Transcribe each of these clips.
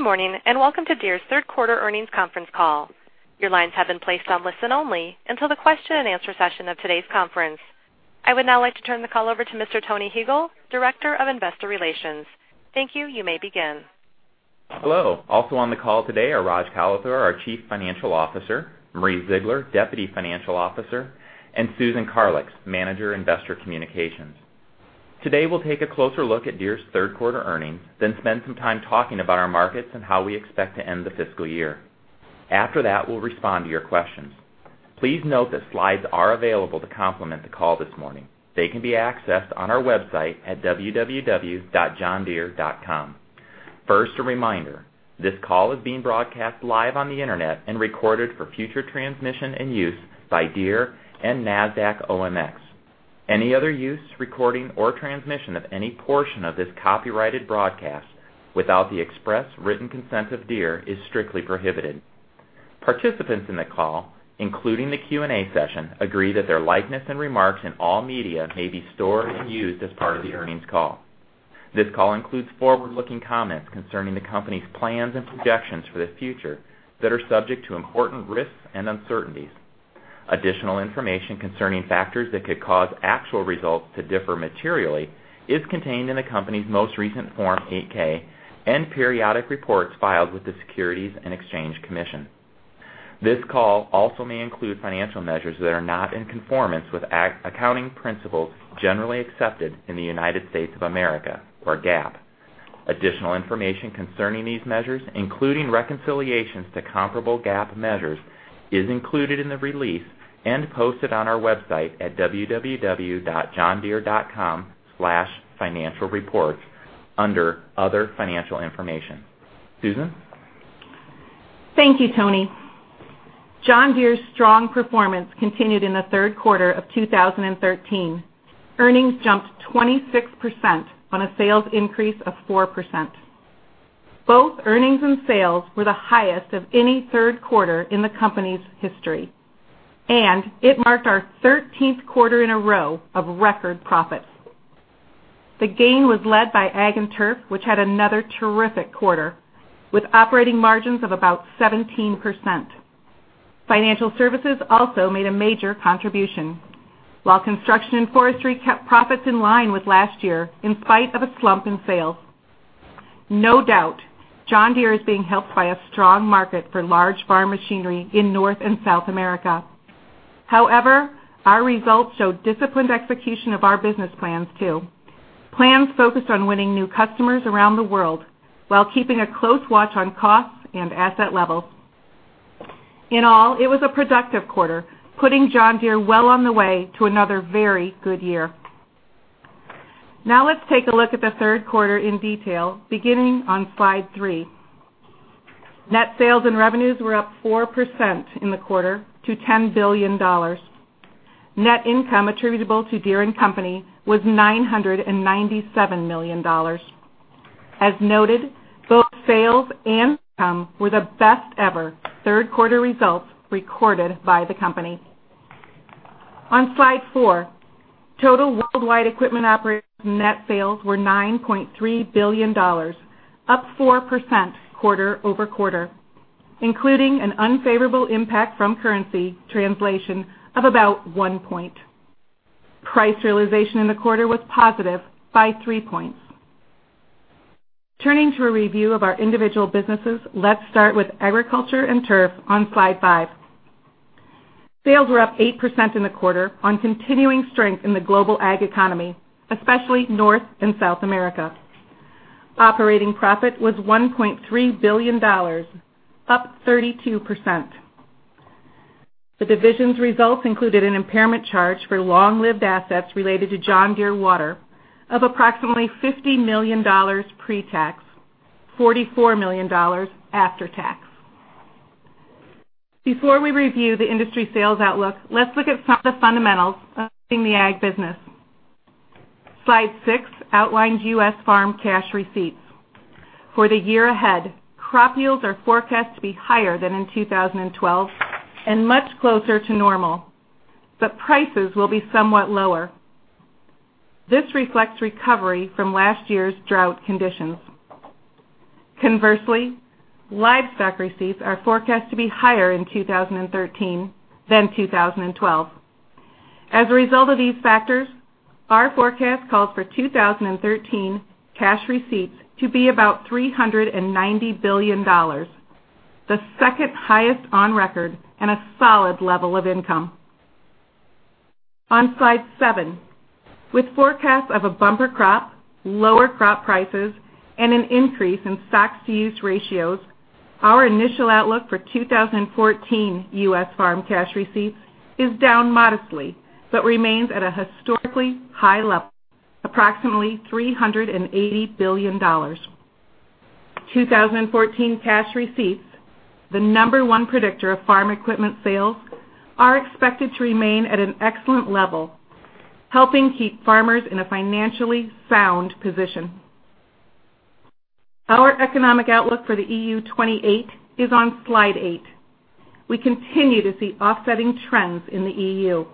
Good morning, and welcome to Deere's third quarter earnings conference call. Your lines have been placed on listen only until the question and answer session of today's conference. I would now like to turn the call over to Mr. Tony Huegel, Director of Investor Relations. Thank you. You may begin. Hello. Also on the call today are Rajesh Kalathur, our Chief Financial Officer, Marie Ziegler, Deputy Financial Officer, and Susan Karlix, Manager, Investor Communications. Today, we'll take a closer look at Deere's third quarter earnings, then spend some time talking about our markets and how we expect to end the fiscal year. After that, we'll respond to your questions. Please note that slides are available to complement the call this morning. They can be accessed on our website at www.johndeere.com. First, a reminder, this call is being broadcast live on the internet and recorded for future transmission and use by Deere and Nasdaq OMX. Any other use, recording, or transmission of any portion of this copyrighted broadcast without the express written consent of Deere is strictly prohibited. Participants in the call, including the Q&A session, agree that their likeness and remarks in all media may be stored and used as part of the earnings call. This call includes forward-looking comments concerning the company's plans and projections for the future that are subject to important risks and uncertainties. Additional information concerning factors that could cause actual results to differ materially is contained in the company's most recent Form 8-K and periodic reports filed with the Securities and Exchange Commission. This call also may include financial measures that are not in conformance with accounting principles generally accepted in the United States of America, or GAAP. Additional information concerning these measures, including reconciliations to comparable GAAP measures, is included in the release and posted on our website at www.johndeere.com/financialreports under Other Financial Information. Susan? Thank you, Tony. John Deere's strong performance continued in the third quarter of 2013. Earnings jumped 26% on a sales increase of 4%. Both earnings and sales were the highest of any third quarter in the company's history, and it marked our 13th quarter in a row of record profits. The gain was led by Ag and Turf, which had another terrific quarter, with operating margins of about 17%. Financial Services also made a major contribution. While Construction and Forestry kept profits in line with last year in spite of a slump in sales. No doubt, John Deere is being helped by a strong market for large farm machinery in North and South America. However, our results show disciplined execution of our business plans too. Plans focused on winning new customers around the world while keeping a close watch on costs and asset levels. In all, it was a productive quarter, putting John Deere well on the way to another very good year. Let's take a look at the third quarter in detail, beginning on slide three. Net sales and revenues were up 4% in the quarter to $10 billion. Net income attributable to Deere & Company was $997 million. As noted, both sales and income were the best ever third-quarter results recorded by the company. On slide four, total worldwide equipment operations net sales were $9.3 billion, up 4% quarter-over-quarter, including an unfavorable impact from currency translation of about one point. Price realization in the quarter was positive by three points. Turning to a review of our individual businesses, let's start with Agriculture and Turf on slide five. Sales were up 8% in the quarter on continuing strength in the global ag economy, especially North and South America. Operating profit was $1.3 billion, up 32%. The division's results included an impairment charge for long-lived assets related to John Deere Water of approximately $50 million pre-tax, $44 million after tax. Before we review the industry sales outlook, let's look at some of the fundamentals affecting the ag business. Slide six outlines U.S. farm cash receipts. For the year ahead, crop yields are forecast to be higher than in 2012 and much closer to normal, but prices will be somewhat lower. This reflects recovery from last year's drought conditions. Conversely, livestock receipts are forecast to be higher in 2013 than 2012. As a result of these factors, our forecast calls for 2013 cash receipts to be about $390 billion, the second highest on record and a solid level of income. On slide seven, with forecasts of a bumper crop, lower crop prices, and an increase in stocks-to-use ratios, our initial outlook for 2014 U.S. farm cash receipts is down modestly but remains at a historically high level, approximately $380 billion. 2014 cash receipts, the number one predictor of farm equipment sales, are expected to remain at an excellent level, helping keep farmers in a financially sound position. Our economic outlook for the EU 28 is on slide eight. We continue to see offsetting trends in the EU.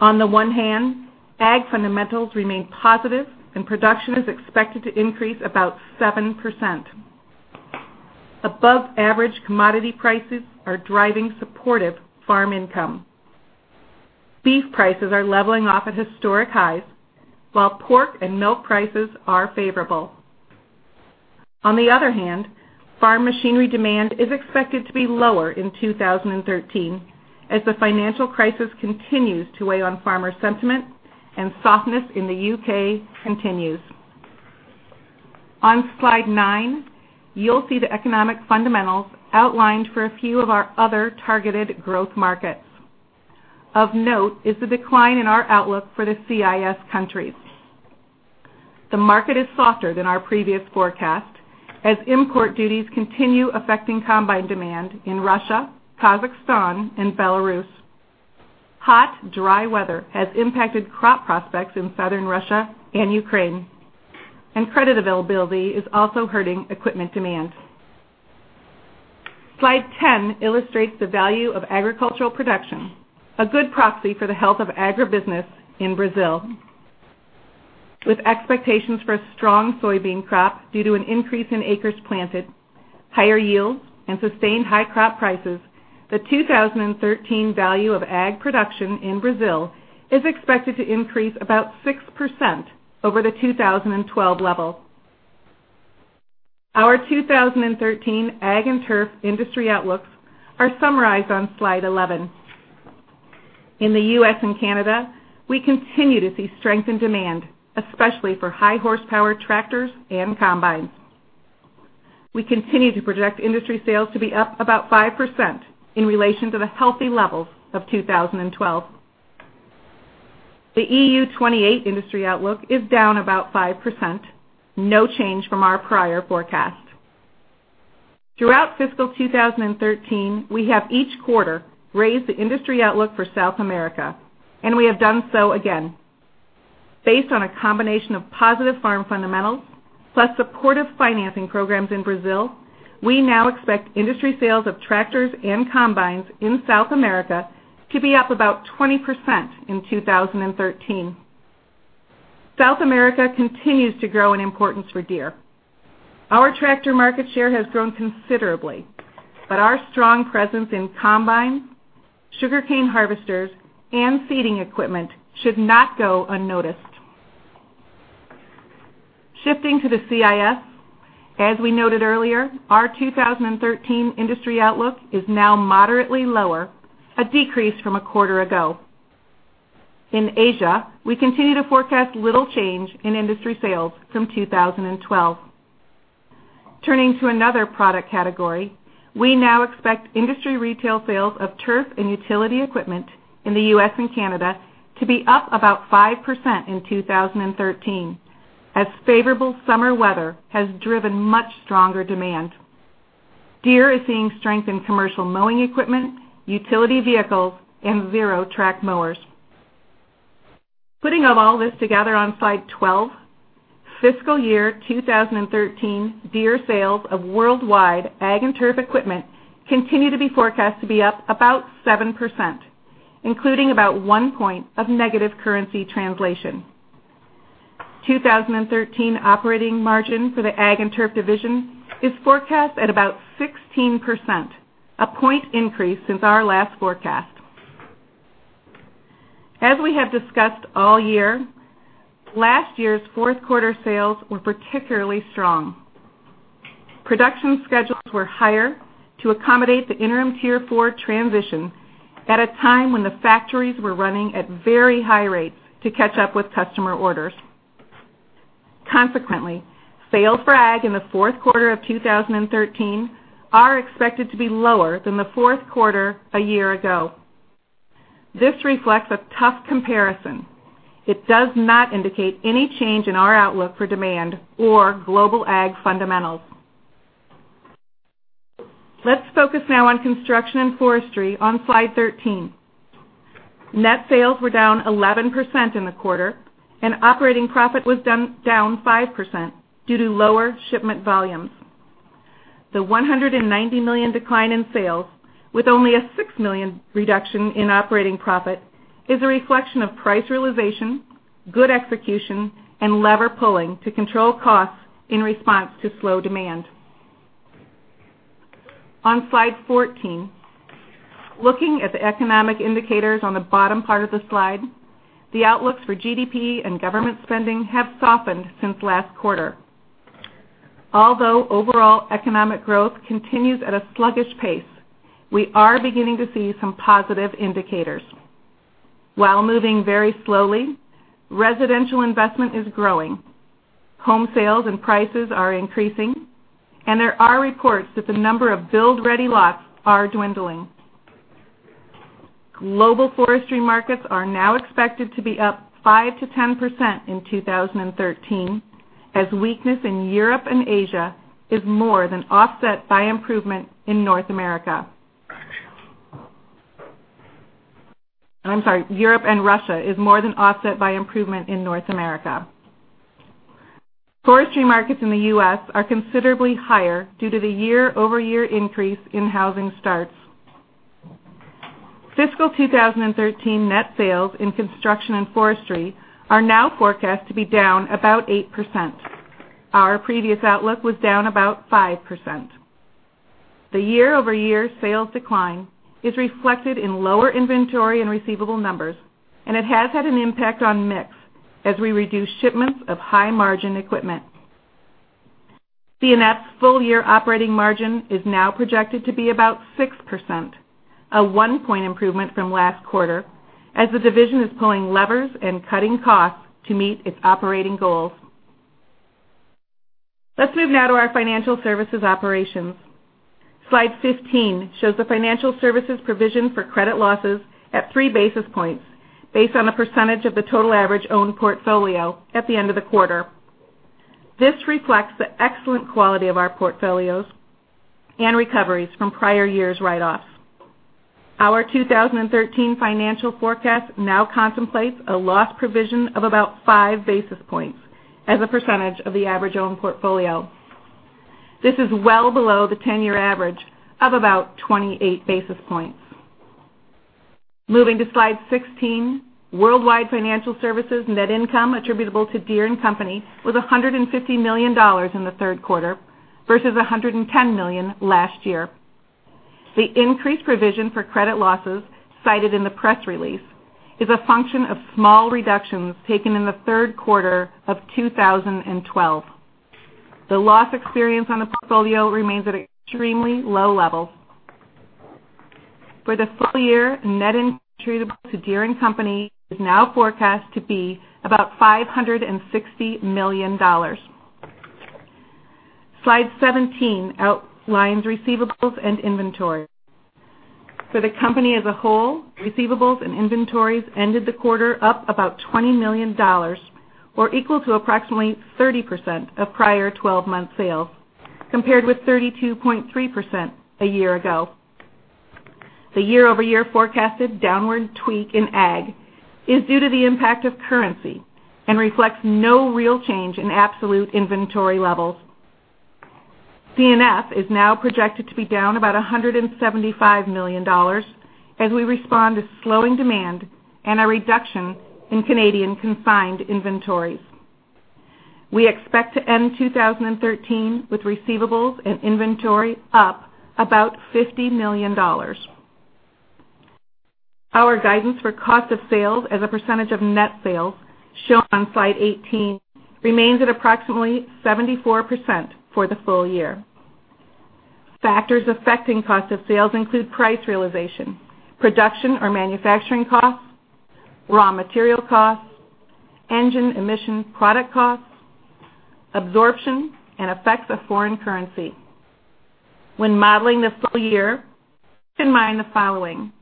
On the one hand, ag fundamentals remain positive, and production is expected to increase about 7%. Above-average commodity prices are driving supportive farm income. Beef prices are leveling off at historic highs, while pork and milk prices are favorable. On the other hand, farm machinery demand is expected to be lower in 2013 as the financial crisis continues to weigh on farmer sentiment and softness in the U.K. continues. On slide nine, you'll see the economic fundamentals outlined for a few of our other targeted growth markets. Of note is the decline in our outlook for the CIS countries. The market is softer than our previous forecast, as import duties continue affecting combine demand in Russia, Kazakhstan, and Belarus. Hot, dry weather has impacted crop prospects in Southern Russia and Ukraine, and credit availability is also hurting equipment demand. Slide 10 illustrates the value of agricultural production, a good proxy for the health of agribusiness in Brazil. With expectations for a strong soybean crop due to an increase in acres planted, higher yields, and sustained high crop prices, the 2013 value of ag production in Brazil is expected to increase about 6% over the 2012 level. Our 2013 ag and turf industry outlooks are summarized on slide 11. In the U.S. and Canada, we continue to see strength in demand, especially for high-horsepower tractors and combines. We continue to project industry sales to be up about 5% in relation to the healthy levels of 2012. The EU 28 industry outlook is down about 5%, no change from our prior forecast. Throughout fiscal 2013, we have each quarter raised the industry outlook for South America, and we have done so again. Based on a combination of positive farm fundamentals plus supportive financing programs in Brazil, we now expect industry sales of tractors and combines in South America to be up about 20% in 2013. South America continues to grow in importance for Deere. Our tractor market share has grown considerably, but our strong presence in combines, sugarcane harvesters, and seeding equipment should not go unnoticed. Shifting to the CIS, as we noted earlier, our 2013 industry outlook is now moderately lower, a decrease from a quarter ago. In Asia, we continue to forecast little change in industry sales from 2012. Turning to another product category, we now expect industry retail sales of turf and utility equipment in the U.S. and Canada to be up about 5% in 2013, as favorable summer weather has driven much stronger demand. Deere is seeing strength in commercial mowing equipment, utility vehicles, and zero-turn mowers. Putting all this together on slide 12, fiscal year 2013 Deere sales of worldwide ag and turf equipment continue to be forecast to be up about 7%, including about one point of negative currency translation. 2013 operating margin for the ag and turf division is forecast at about 16%, a point increase since our last forecast. As we have discussed all year, last year's fourth quarter sales were particularly strong. Production schedules were higher to accommodate the interim Tier 4 transition at a time when the factories were running at very high rates to catch up with customer orders. Consequently, sales for ag in the fourth quarter of 2013 are expected to be lower than the fourth quarter a year ago. This reflects a tough comparison. It does not indicate any change in our outlook for demand or global ag fundamentals. Let's focus now on Construction & Forestry on slide 13. Net sales were down 11% in the quarter, and operating profit was down 5% due to lower shipment volumes. The $190 million decline in sales, with only a $6 million reduction in operating profit, is a reflection of price realization, good execution, and lever-pulling to control costs in response to slow demand. On slide 14, looking at the economic indicators on the bottom part of the slide, the outlooks for GDP and government spending have softened since last quarter. Although overall economic growth continues at a sluggish pace, we are beginning to see some positive indicators. While moving very slowly, residential investment is growing. Home sales and prices are increasing, and there are reports that the number of build-ready lots are dwindling. Global forestry markets are now expected to be up 5%-10% in 2013, as weakness in Europe and Asia is more than offset by improvement in North America. I'm sorry, Europe and Russia is more than offset by improvement in North America. Forestry markets in the U.S. are considerably higher due to the year-over-year increase in housing starts. Fiscal 2013 net sales in Construction & Forestry are now forecast to be down about 8%. Our previous outlook was down about 5%. The year-over-year sales decline is reflected in lower inventory and receivable numbers, and it has had an impact on mix as we reduce shipments of high-margin equipment. C&F's full-year operating margin is now projected to be about 6%, a one-point improvement from last quarter, as the division is pulling levers and cutting costs to meet its operating goals. Let's move now to our Financial Services operations. Slide 15 shows the Financial Services provision for credit losses at three basis points, based on a percentage of the total average owned portfolio at the end of the quarter. This reflects the excellent quality of our portfolios and recoveries from prior years' write-offs. Our 2013 financial forecast now contemplates a loss provision of about five basis points as a percentage of the average owned portfolio. This is well below the 10-year average of about 28 basis points. Moving to Slide 16, worldwide Financial Services net income attributable to Deere & Company was $150 million in the third quarter versus $110 million last year. The increased provision for credit losses cited in the press release is a function of small reductions taken in the third quarter of 2012. The loss experience on the portfolio remains at extremely low levels. For the full year, net attributable to Deere & Company is now forecast to be about $560 million. Slide 17 outlines receivables and inventory. For the company as a whole, receivables and inventories ended the quarter up about $20 million or equal to approximately 30% of prior 12-month sales, compared with 32.3% a year ago. The year-over-year forecasted downward tweak in ag is due to the impact of currency and reflects no real change in absolute inventory levels. C&F is now projected to be down about $175 million as we respond to slowing demand and a reduction in Canadian consigned inventories. We expect to end 2013 with receivables and inventory up about $50 million. Our guidance for cost of sales as a percentage of net sales, shown on Slide 18, remains at approximately 74% for the full year. Factors affecting cost of sales include price realization, production or manufacturing costs, raw material costs, engine emission product costs, absorption, and effects of foreign currency. When modeling the full year, keep in mind the following.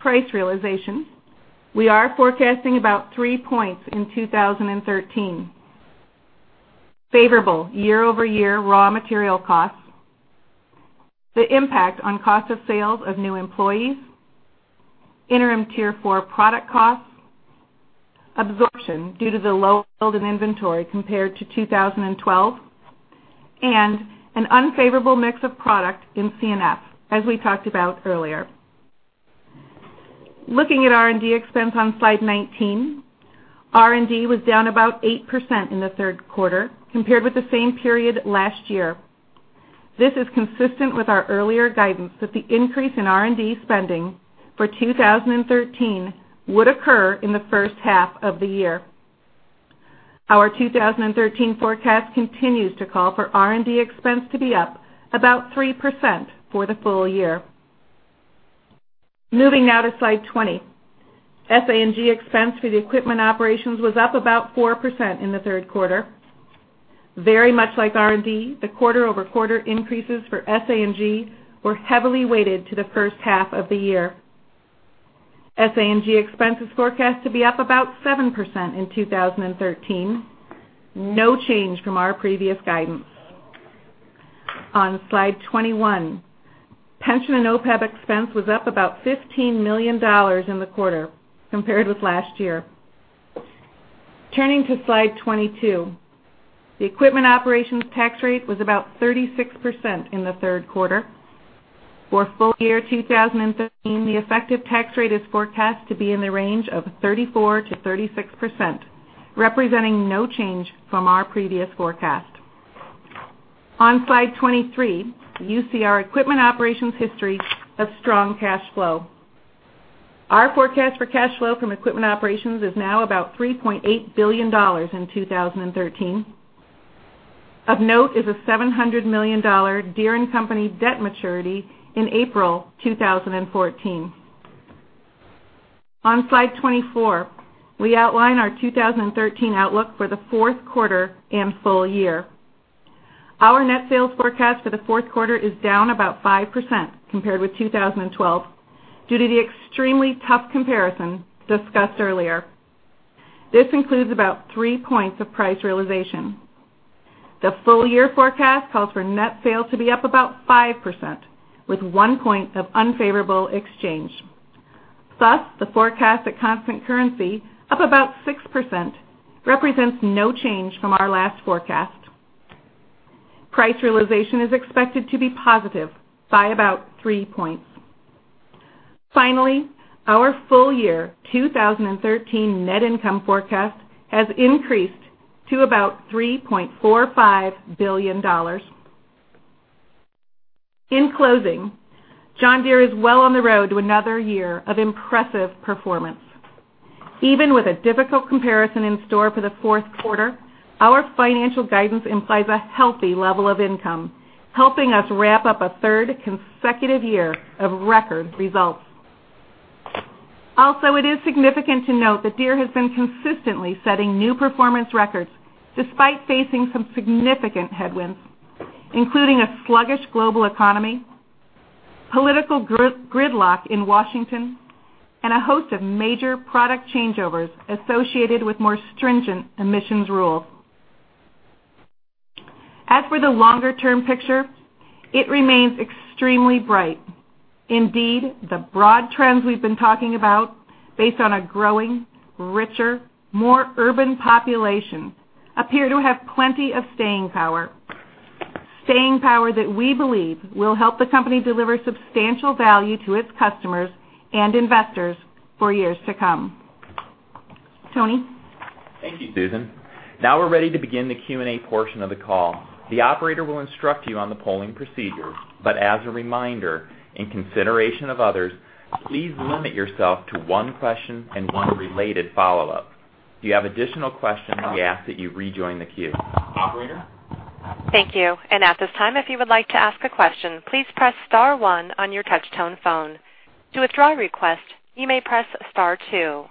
Price realization, we are forecasting about three points in 2013. Favorable year-over-year raw material costs. The impact on cost of sales of new employees. interim Tier 4 product costs. Absorption due to the low build in inventory compared to 2012. An unfavorable mix of product in C&F, as we talked about earlier. Looking at R&D expense on Slide 19, R&D was down about 8% in the third quarter compared with the same period last year. This is consistent with our earlier guidance that the increase in R&D spending for 2013 would occur in the first half of the year. Our 2013 forecast continues to call for R&D expense to be up about 3% for the full year. Moving now to Slide 20. SA&G expense for the equipment operations was up about 4% in the third quarter. Very much like R&D, the quarter-over-quarter increases for SA&G were heavily weighted to the first half of the year. SA&G expense is forecast to be up about 7% in 2013, no change from our previous guidance. On Slide 21, pension and OPEB expense was up about $15 million in the quarter compared with last year. Turning to Slide 22, the equipment operations tax rate was about 36% in the third quarter. For full-year 2013, the effective tax rate is forecast to be in the range of 34%-36%, representing no change from our previous forecast. On Slide 23, you see our equipment operations history of strong cash flow. Our forecast for cash flow from equipment operations is now about $3.8 billion in 2013. Of note is a $700 million Deere & Company debt maturity in April 2014. On Slide 24, we outline our 2013 outlook for the fourth quarter and full year. Our net sales forecast for the fourth quarter is down about 5% compared with 2012 due to the extremely tough comparison discussed earlier. This includes about three points of price realization. The full-year forecast calls for net sales to be up about 5%, with one point of unfavorable exchange. The forecast at constant currency, up about 6%, represents no change from our last forecast. Price realization is expected to be positive by about three points. Our full-year 2013 net income forecast has increased to about $3.45 billion. In closing, John Deere is well on the road to another year of impressive performance. Even with a difficult comparison in store for the fourth quarter, our financial guidance implies a healthy level of income, helping us wrap up a third consecutive year of record results. It is significant to note that Deere has been consistently setting new performance records despite facing some significant headwinds, including a sluggish global economy, political gridlock in Washington, and a host of major product changeovers associated with more stringent emissions rules. As for the longer-term picture, it remains extremely bright. The broad trends we've been talking about, based on a growing, richer, more urban population, appear to have plenty of staying power. Staying power that we believe will help the company deliver substantial value to its customers and investors for years to come. Tony? Thank you, Susan. Now we're ready to begin the Q&A portion of the call. The operator will instruct you on the polling procedure, as a reminder, in consideration of others, please limit yourself to one question and one related follow-up. If you have additional questions, we ask that you rejoin the queue. Operator? Thank you. At this time, if you would like to ask a question, please press *1 on your touch tone phone. To withdraw a request, you may press *2.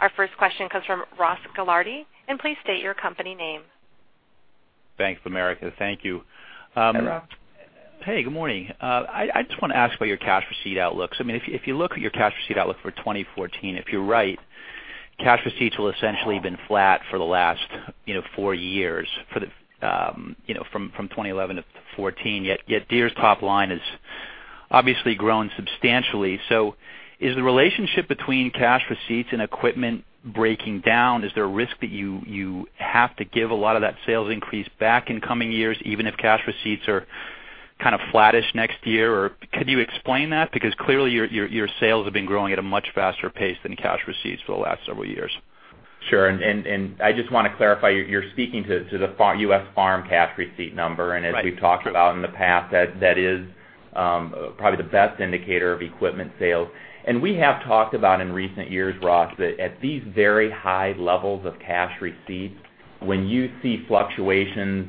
Our first question comes from Ross Gilardi, please state your company name. Thanks, Bank of America Merrill Lynch. Thank you. Hey, Ross. Hey, good morning. I just want to ask about your cash receipt outlooks. If you look at your cash receipt outlook for 2014, if you're right, cash receipts will essentially been flat for the last four years, from 2011 to 2014, yet Deere's top line has obviously grown substantially. Is the relationship between cash receipts and equipment breaking down? Is there a risk that you have to give a lot of that sales increase back in coming years, even if cash receipts are kind of flattish next year? Could you explain that? Because clearly your sales have been growing at a much faster pace than cash receipts for the last several years. Sure. I just want to clarify, you're speaking to the U.S. farm cash receipt number. Right. As we've talked about in the past, that is probably the best indicator of equipment sales. We have talked about in recent years, Ross, that at these very high levels of cash receipts, when you see fluctuations,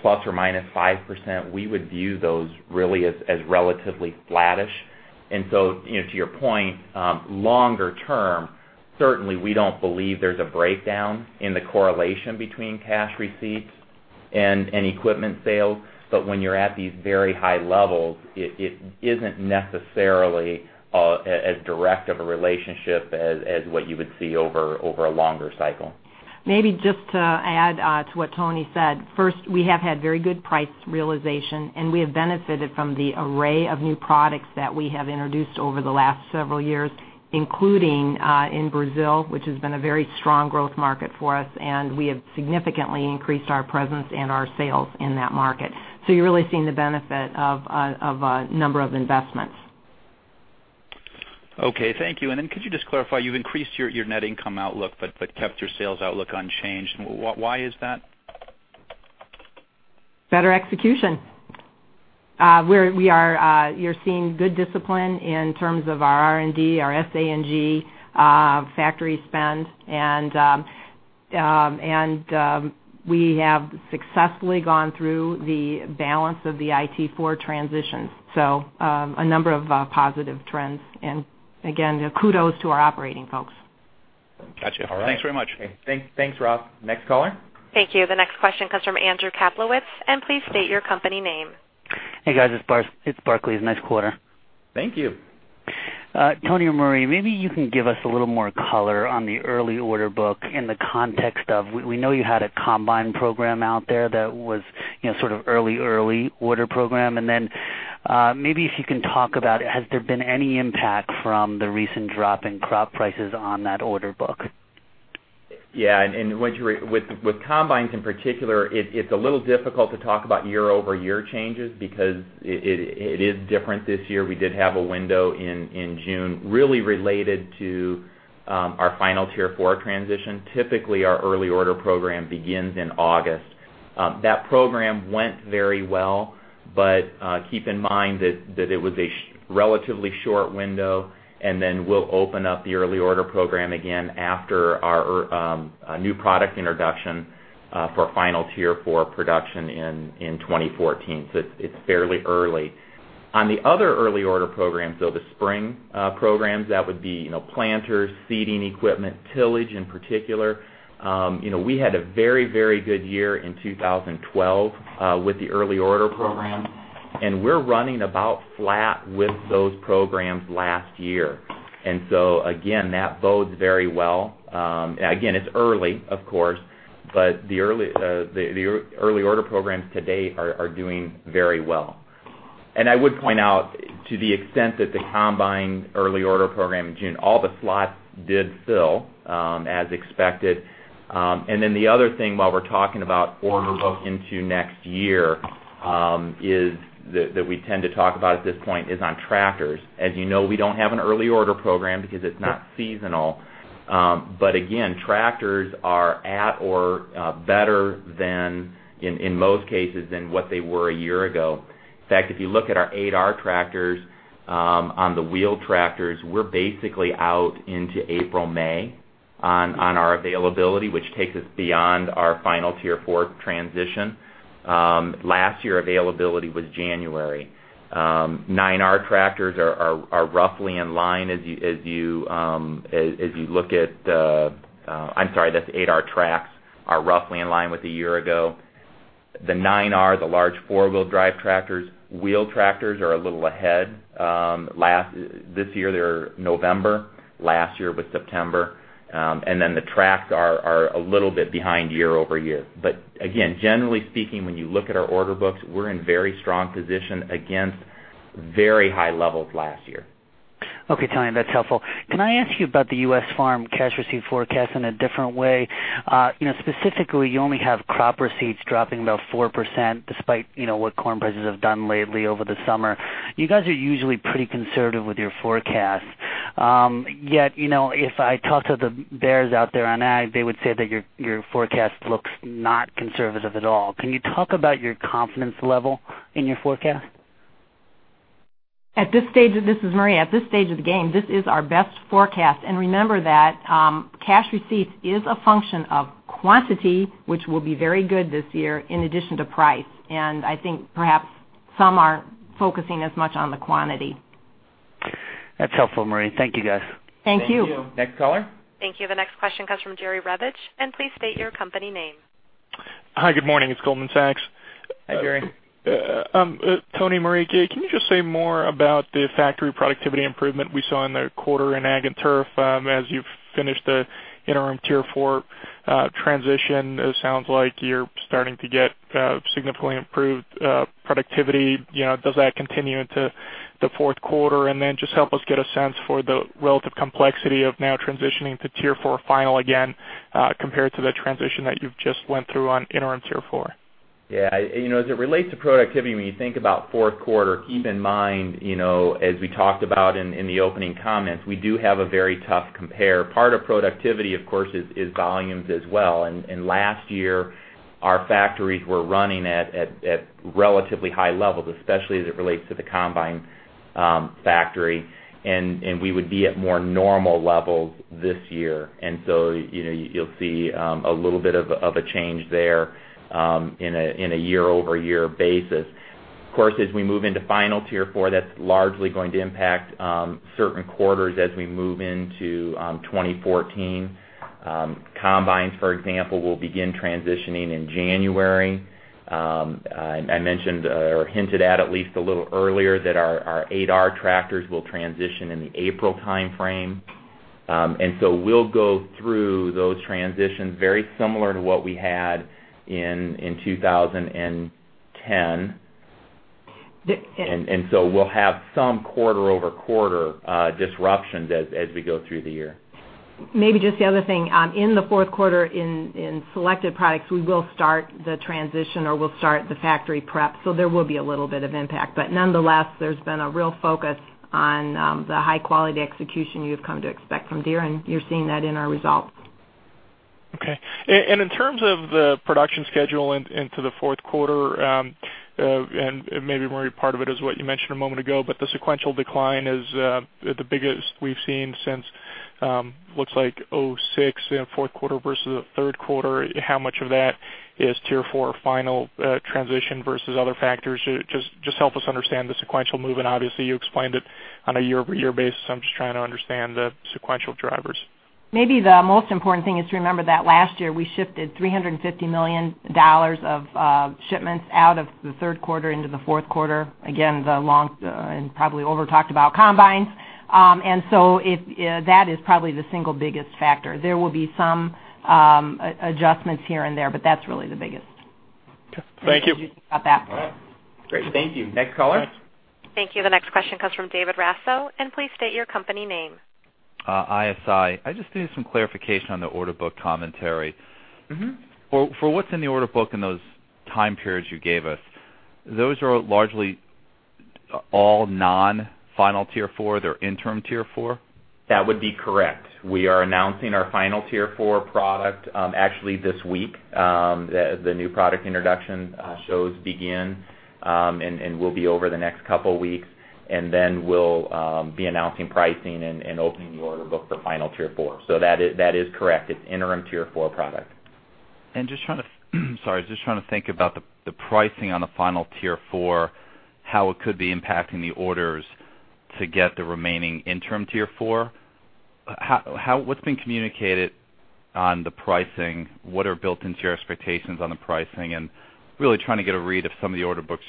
plus or minus 5%, we would view those really as relatively flattish. To your point, longer term, certainly we don't believe there's a breakdown in the correlation between cash receipts and equipment sales. When you're at these very high levels, it isn't necessarily as direct of a relationship as what you would see over a longer cycle. Maybe just to add to what Tony said. First, we have had very good price realization, and we have benefited from the array of new products that we have introduced over the last several years, including in Brazil, which has been a very strong growth market for us, and we have significantly increased our presence and our sales in that market. You're really seeing the benefit of a number of investments. Okay. Thank you. Could you just clarify, you've increased your net income outlook, but kept your sales outlook unchanged. Why is that? Better execution. You're seeing good discipline in terms of our R&D, our SA&G factory spend, we have successfully gone through the balance of the IT4 transitions. A number of positive trends. Kudos to our operating folks. Got you. All right. Thanks very much. Thanks, Ross. Next caller? Thank you. The next question comes from Andrew Kaplowitz, and please state your company name. Hey, guys, it's Barclays. Nice quarter. Thank you. Tony and Marie, maybe you can give us a little more color on the early order book in the context of, we know you had a combine program out there that was sort of early order program. Maybe if you can talk about, has there been any impact from the recent drop in crop prices on that order book? With combines, in particular, it's a little difficult to talk about year-over-year changes because it is different this year. We did have a window in June, really related to our final Tier 4 transition. Typically, our early order program begins in August. That program went very well, but keep in mind that it was a relatively short window, then we'll open up the early order program again after our new product introduction for final Tier 4 production in 2014. It's fairly early. On the other early order programs, though, the spring programs, that would be planters, seeding equipment, tillage in particular. We had a very good year in 2012 with the early order program, and we're running about flat with those programs last year. Again, that bodes very well. Again, it's early, of course, the early order programs to date are doing very well. I would point out to the extent that the combined early order program in June, all the slots did fill as expected. The other thing, while we're talking about order book into next year, that we tend to talk about at this point, is on tractors. As you know, we don't have an early order program because it's not seasonal. Again, tractors are at or better than, in most cases, than what they were a year ago. In fact, if you look at our 8R tractors on the wheel tractors, we're basically out into April, May on our availability, which takes us beyond our final Tier 4 transition. Last year, availability was January. 9R tractors are roughly in line as you look at the-- I'm sorry, that's 8R tracks are roughly in line with a year ago. The 9R, the large four-wheel drive tractors, wheel tractors are a little ahead. This year, they're November, last year was September. Then the tracks are a little bit behind year-over-year. Again, generally speaking, when you look at our order books, we're in very strong position against very high levels last year. Okay, Tony, that's helpful. Can I ask you about the U.S. farm cash receipt forecast in a different way? Specifically, you only have crop receipts dropping about 4%, despite what corn prices have done lately over the summer. You guys are usually pretty conservative with your forecast. If I talk to the bears out there on ag, they would say that your forecast looks not conservative at all. Can you talk about your confidence level in your forecast? This is Marie. At this stage of the game, this is our best forecast. Remember that cash receipts is a function of quantity, which will be very good this year, in addition to price. I think perhaps some aren't focusing as much on the quantity. That's helpful, Marie. Thank you, guys. Thank you. Thank you. Next caller. Thank you. The next question comes from Jerry Revich, and please state your company name. Hi, good morning. It's Goldman Sachs. Hi, Jerry. Tony, Marie, can you just say more about the factory productivity improvement we saw in the quarter in Agriculture and Turf? As you've finished the interim Tier 4 transition, it sounds like you're starting to get significantly improved productivity. Does that continue into the fourth quarter? Then just help us get a sense for the relative complexity of now transitioning to final Tier 4 again compared to the transition that you've just went through on interim Tier 4. As it relates to productivity, when you think about fourth quarter, keep in mind, as we talked about in the opening comments, we do have a very tough compare. Part of productivity, of course, is volumes as well. Last year, our factories were running at relatively high levels, especially as it relates to the combine factory, and we would be at more normal levels this year. You'll see a little bit of a change there on a year-over-year basis. Of course, as we move into final Tier 4, that's largely going to impact certain quarters as we move into 2014. Combines, for example, will begin transitioning in January. I mentioned or hinted at least a little earlier that our 8R tractors will transition in the April timeframe. We'll go through those transitions very similar to what we had in 2010. We'll have some quarter-over-quarter disruptions as we go through the year. Maybe just the other thing. In the fourth quarter, in selected products, we will start the transition or we'll start the factory prep. There will be a little bit of impact. Nonetheless, there's been a real focus on the high-quality execution you've come to expect from Deere, and you're seeing that in our results. Okay. In terms of the production schedule into the fourth quarter, maybe, Marie, part of it is what you mentioned a moment ago. The sequential decline is the biggest we've seen since, looks like, 2006 in fourth quarter versus the third quarter. How much of that is Tier 4 final transition versus other factors? Just help us understand the sequential move. Obviously you explained it on a year-over-year basis. I'm just trying to understand the sequential drivers. Maybe the most important thing is to remember that last year we shifted $350 million of shipments out of the third quarter into the fourth quarter. Again, the long and probably over-talked about combines. That is probably the single biggest factor. There will be some adjustments here and there. That's really the biggest. Okay. Thank you. You think about that one. Great. Thank you. Next caller. Thank you. The next question comes from David Raso. Please state your company name. ISI. I just need some clarification on the order book commentary. For what's in the order book in those time periods you gave us, those are largely all non-final Tier 4? They're interim Tier 4? That would be correct. We are announcing our final Tier 4 product actually this week, as the new product introduction shows begin and will be over the next couple weeks. Then we'll be announcing pricing and opening the order book for final Tier 4. That is correct. It's interim Tier 4 product. Just trying to sorry, just trying to think about the pricing on the final Tier 4, how it could be impacting the orders to get the remaining interim Tier 4. What's been communicated? On the pricing, what are built into your expectations on the pricing? Really trying to get a read of some of the order book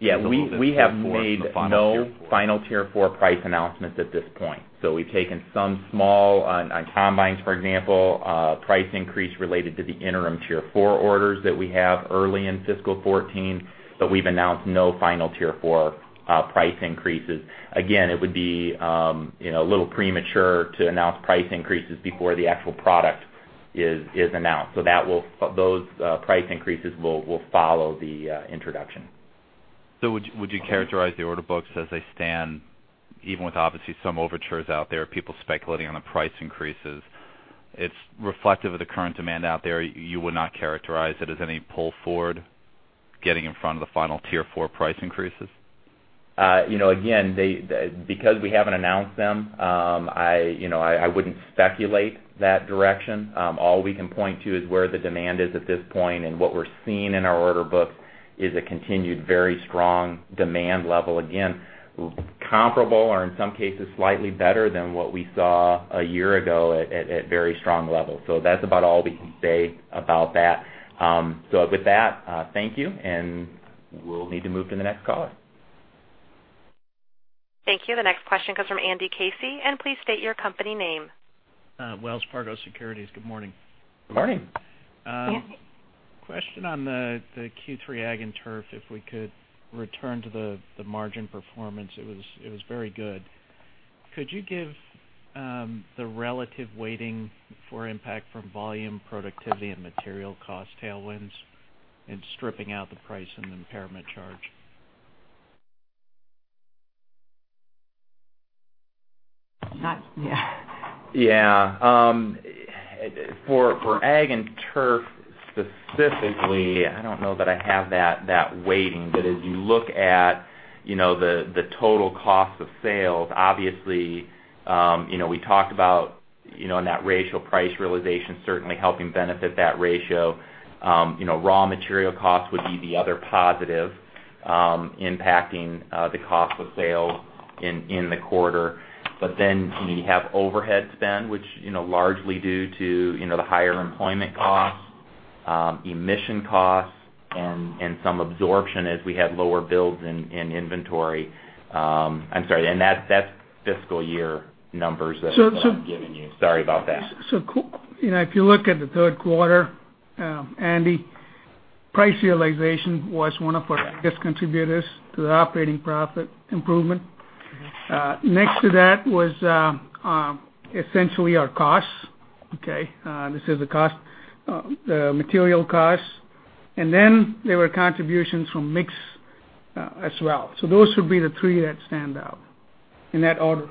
strength. We have made no final Tier 4 price announcements at this point. We've taken some small, on combines, for example, price increase related to the interim Tier 4 orders that we have early in fiscal 2014, but we've announced no final Tier 4 price increases. It would be a little premature to announce price increases before the actual product is announced. Those price increases will follow the introduction. Would you characterize the order books as they stand, even with obviously some overtures out there, people speculating on the price increases, it's reflective of the current demand out there. You would not characterize it as any pull forward getting in front of the final Tier 4 price increases? Because we haven't announced them, I wouldn't speculate that direction. All we can point to is where the demand is at this point, and what we're seeing in our order books is a continued very strong demand level. Comparable or in some cases slightly better than what we saw a year ago at very strong levels. That's about all we can say about that. With that, thank you, and we'll need to move to the next caller. Thank you. The next question comes from Andrew Casey, please state your company name. Wells Fargo Securities. Good morning. Good morning. Question on the Q3 Agriculture and Turf, if we could return to the margin performance, it was very good. Could you give the relative weighting for impact from volume productivity and material cost tailwinds and stripping out the price and impairment charge? Yeah. For Agriculture and Turf specifically, I don't know that I have that weighting, but as you look at the total cost of sales, obviously, we talked about in that ratio price realization certainly helping benefit that ratio. Raw material costs would be the other positive impacting the cost of sales in the quarter. You have overhead spend, which largely due to the higher employment costs, emission costs, and some absorption as we had lower builds in inventory. I'm sorry. That's fiscal year numbers that I'm giving you. Sorry about that. If you look at the third quarter, Andy, price realization was one of our biggest contributors to the operating profit improvement. Next to that was essentially our costs. Okay? This is the material costs. Then there were contributions from mix as well. Those would be the three that stand out in that order.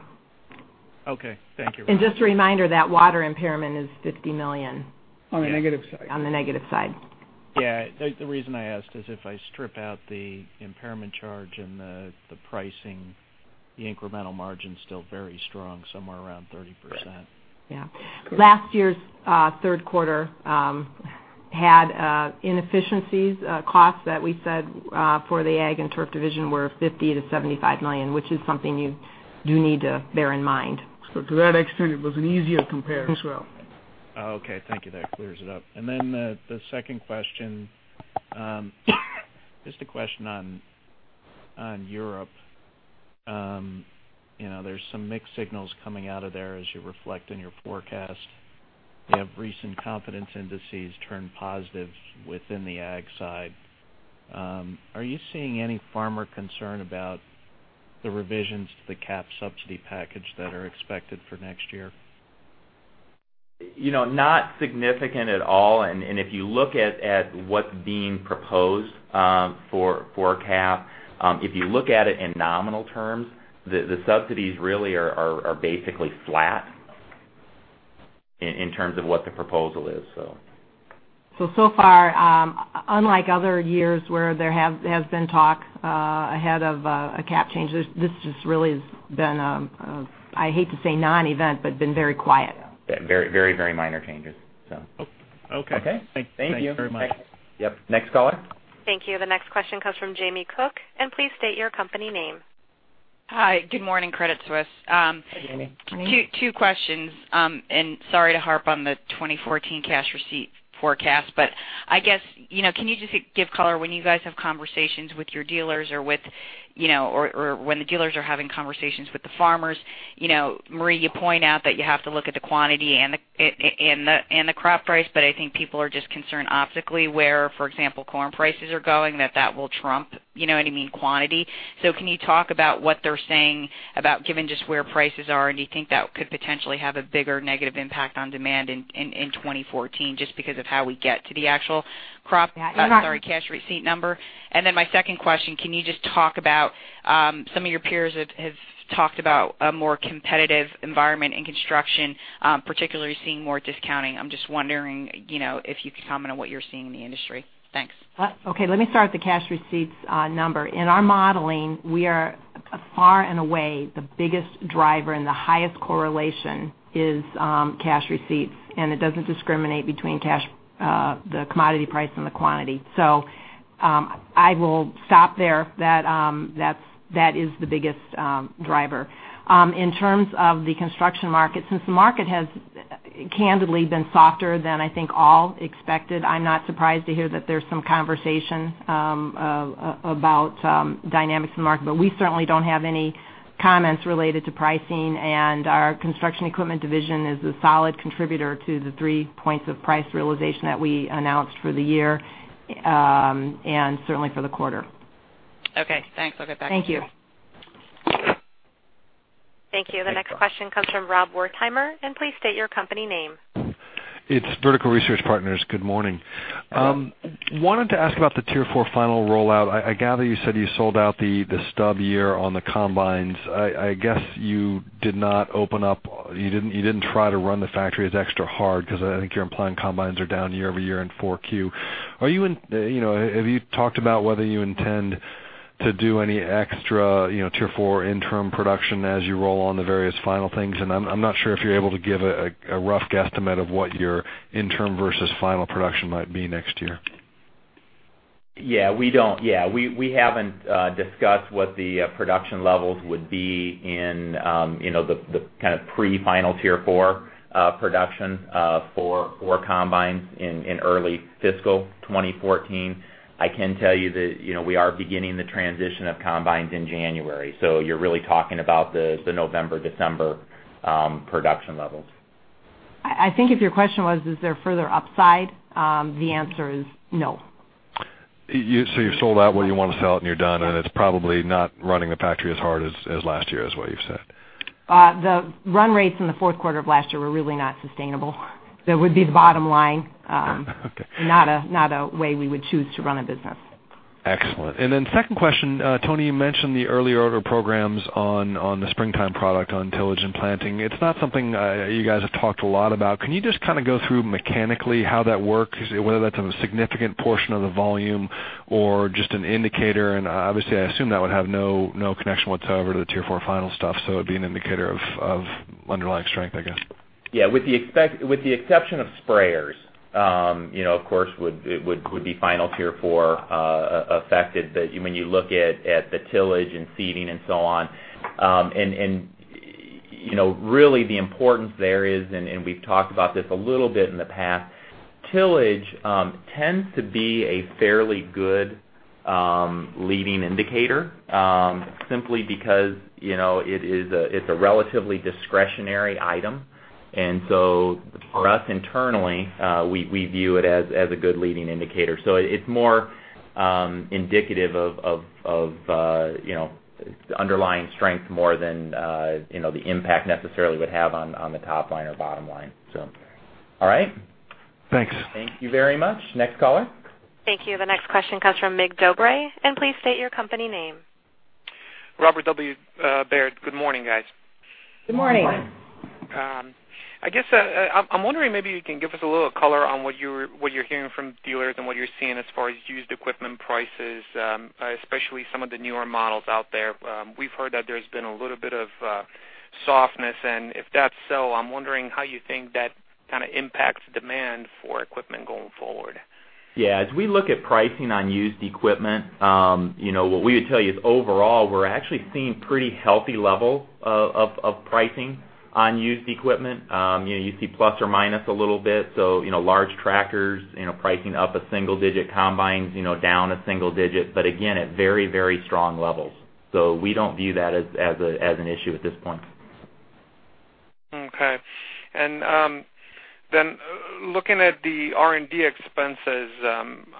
Okay. Thank you. Just a reminder, that water impairment is $50 million. On the negative side. On the negative side. Yeah. The reason I asked is if I strip out the impairment charge and the pricing, the incremental margin's still very strong, somewhere around 30%. Correct. Yeah. Last year's third quarter had inefficiencies costs that we said for the Agriculture and Turf division were $50 million-$75 million, which is something you do need to bear in mind. To that extent, it was an easier compare as well. Okay, thank you. That clears it up. The second question, just a question on Europe. There's some mixed signals coming out of there as you reflect in your forecast. You have recent confidence indices turned positive within the Ag side. Are you seeing any farmer concern about the revisions to the CAP subsidy package that are expected for next year? Not significant at all. If you look at what's being proposed for a CAP, if you look at it in nominal terms, the subsidies really are basically flat in terms of what the proposal is. Far, unlike other years where there has been talk ahead of a CAP change, this just really has been, I hate to say non-event, but been very quiet. Very minor changes. Okay. Thank you. Okay. Thank you. Thanks very much. Yep. Next caller? Thank you. The next question comes from Jamie Cook, please state your company name. Hi, good morning. Credit Suisse. Hey, Jamie. Two questions. Sorry to harp on the 2014 cash receipt forecast, but can you just give color when you guys have conversations with your dealers or when the dealers are having conversations with the farmers, Marie, you point out that you have to look at the quantity and the crop price, but I think people are just concerned optically where, for example, corn prices are going, that that will trump, you know what I mean, quantity. Can you talk about what they're saying about given just where prices are, and do you think that could potentially have a bigger negative impact on demand in 2014 just because of how we get to the actual crop, sorry, cash receipt number? My second question, can you just talk about some of your peers have talked about a more competitive environment in construction, particularly seeing more discounting. I'm just wondering if you could comment on what you're seeing in the industry. Thanks. Okay. Let me start with the cash receipts number. In our modeling, we are far and away the biggest driver and the highest correlation is cash receipts, and it doesn't discriminate between the commodity price and the quantity. I will stop there. That is the biggest driver. In terms of the construction market, since the market has candidly been softer than I think all expected. I'm not surprised to hear that there's some conversation about dynamics in the market, but we certainly don't have any comments related to pricing, and our construction equipment division is a solid contributor to the three points of price realization that we announced for the year, and certainly for the quarter. Okay, thanks. I'll get back to you. Thank you. Thank you. The next question comes from Rob Wertheimer. Please state your company name. It's Vertical Research Partners. Good morning. Good morning. Wanted to ask about the Tier 4 final rollout. I gather you said you sold out the stub year on the combines. I guess you didn't try to run the factory as extra hard because I think you're implying combines are down year-over-year in 4Q. Have you talked about whether you intend to do any extra Tier 4 interim production as you roll on the various Final things? I'm not sure if you're able to give a rough guesstimate of what your Interim versus Final production might be next year. We haven't discussed what the production levels would be in the pre-Final Tier 4 production for combines in early fiscal 2014. I can tell you that we are beginning the transition of combines in January. You're really talking about the November, December production levels. I think if your question was, is there further upside? The answer is no. You've sold out what you want to sell and you're done, and it's probably not running the factory as hard as last year, is what you've said. The run rates in the fourth quarter of last year were really not sustainable. That would be the bottom line. Okay. Not a way we would choose to run a business. Excellent. Then second question, Tony, you mentioned the early order programs on the springtime product on tillage and planting. It's not something you guys have talked a lot about. Can you just go through mechanically how that works, whether that's a significant portion of the volume or just an indicator? Obviously, I assume that would have no connection whatsoever to the Tier 4 final stuff, so it'd be an indicator of underlying strength, I guess. Yeah. With the exception of sprayers, of course, would be final Tier 4 affected. When you look at the tillage and seeding and so on, really the importance there is, we've talked about this a little bit in the past, tillage tends to be a fairly good leading indicator, simply because it's a relatively discretionary item. For us internally, we view it as a good leading indicator. It's more indicative of the underlying strength more than the impact necessarily would have on the top line or bottom line. All right. Thanks. Thank you very much. Next caller. Thank you. The next question comes from Mircea Dobre. Please state your company name. Robert W. Baird. Good morning, guys. Good morning. Good morning. I'm wondering maybe you can give us a little color on what you're hearing from dealers and what you're seeing as far as used equipment prices, especially some of the newer models out there. We've heard that there's been a little bit of softness, and if that's so, I'm wondering how you think that impacts demand for equipment going forward. Yeah. As we look at pricing on used equipment, what we would tell you is overall, we're actually seeing pretty healthy level of pricing on used equipment. You see plus or minus a little bit. Large tractors pricing up a single digit, combines down a single digit, but again, at very strong levels. We don't view that as an issue at this point. Looking at the R&D expenses,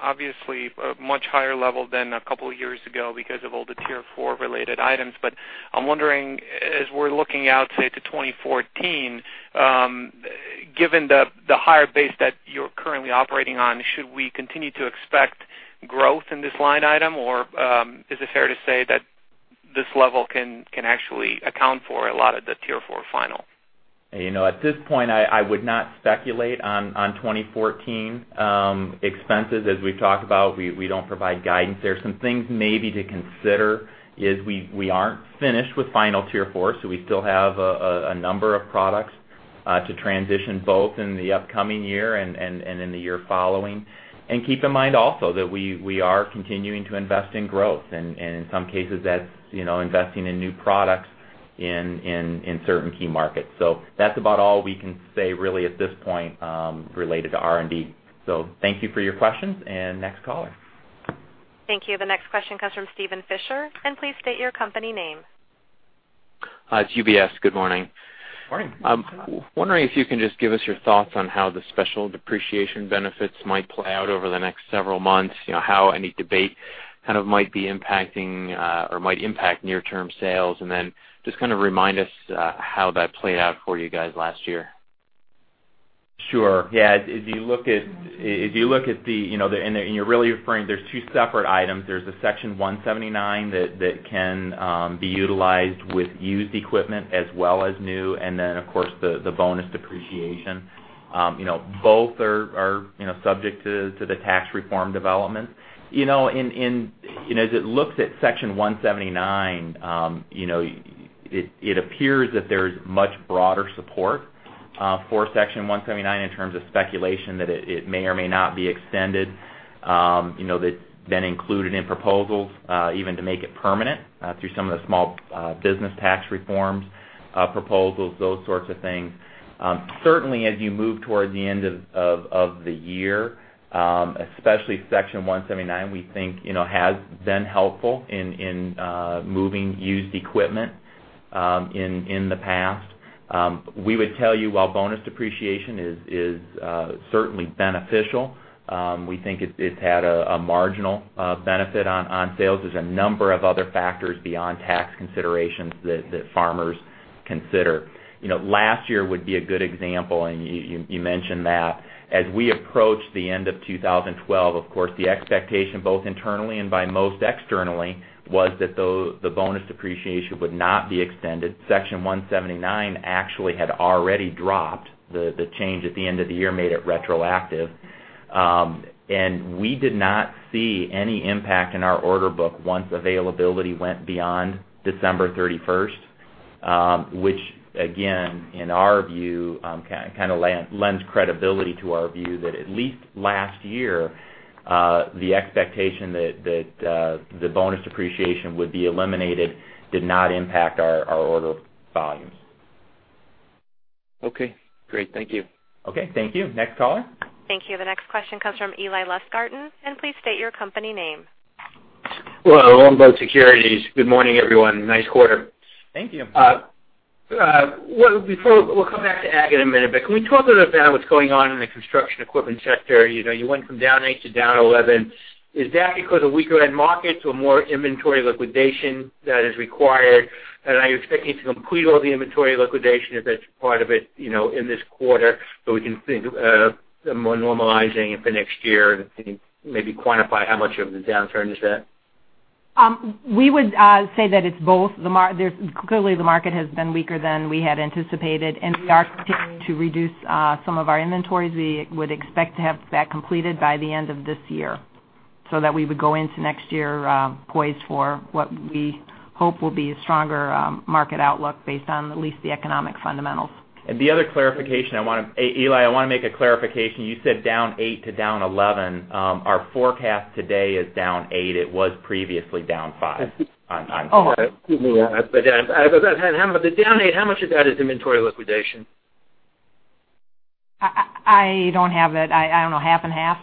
obviously a much higher level than a couple of years ago because of all the Tier 4 related items. I'm wondering, as we're looking out, say, to 2014, given the higher base that you're currently operating on, should we continue to expect growth in this line item? Or is it fair to say that this level can actually account for a lot of the final Tier 4? At this point, I would not speculate on 2014 expenses. As we've talked about, we don't provide guidance there. Some things maybe to consider is we aren't finished with final Tier 4, so we still have a number of products to transition, both in the upcoming year and in the year following. Keep in mind also that we are continuing to invest in growth, and in some cases that's investing in new products in certain key markets. That's about all we can say really at this point related to R&D. Thank you for your questions, and next caller. Thank you. The next question comes from Steven Fisher, please state your company name. It's UBS. Good morning. Morning. Wondering if you can just give us your thoughts on how the special depreciation benefits might play out over the next several months, how any debate might impact near-term sales, and then just remind us how that played out for you guys last year. Sure. Yeah. There's two separate items. There's the Section 179 that can be utilized with used equipment as well as new, and then of course, the bonus depreciation. Both are subject to the tax reform development. As it looks at Section 179, it appears that there's much broader support for Section 179 in terms of speculation that it may or may not be extended. That's been included in proposals, even to make it permanent through some of the small business tax reforms proposals, those sorts of things. Certainly, as you move towards the end of the year, especially Section 179, we think has been helpful in moving used equipment in the past. We would tell you while bonus depreciation is certainly beneficial, we think it's had a marginal benefit on sales. There's a number of other factors beyond tax considerations that farmers consider. Last year would be a good example, and you mentioned that. As we approach the end of 2012, of course, the expectation, both internally and by most externally, was that the bonus depreciation would not be extended. Section 179 actually had already dropped. The change at the end of the year made it retroactive. We did not see any impact in our order book once availability went beyond December 31st. Again, in our view, lends credibility to our view that at least last year, the expectation that the bonus depreciation would be eliminated did not impact our order volumes. Okay, great. Thank you. Okay, thank you. Next caller. Thank you. The next question comes from Eli Lustgarten, please state your company name. Well, Longbow Research. Good morning, everyone. Nice quarter. Thank you. We'll come back to ag in a minute, but can we talk a little about what's going on in the construction equipment sector? You went from down 8 to down 11. Is that because of weaker end markets or more inventory liquidation that is required? Are you expecting to complete all the inventory liquidation, if that's part of it, in this quarter, so we can think more normalizing for next year and maybe quantify how much of the downturn is that? We would say that it's both. Clearly the market has been weaker than we had anticipated, and we are continuing to reduce some of our inventories. We would expect to have that completed by the end of this year, so that we would go into next year poised for what we hope will be a stronger market outlook based on at least the economic fundamentals. The other clarification, Eli, I want to make a clarification. You said down 8 to down 11. Our forecast today is down 8. It was previously down 5. Oh, excuse me. Of that down 8, how much of that is inventory liquidation? I don't have it. I don't know, half and half?